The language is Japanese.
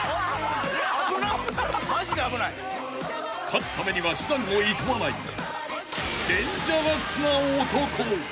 ［勝つためには手段をいとわないデンジャラスな男］